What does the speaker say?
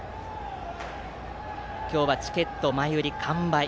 今日はチケット前売り完売。